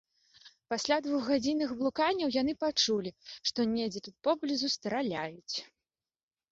Пасля двухгадзінных блуканняў яны пачулі, што недзе тут поблізу страляюць.